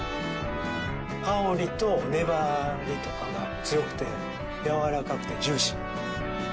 香りと粘りとかが強くてやわらかくてジューシー。